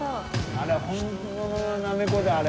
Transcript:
あれ本物のナメコだあれ。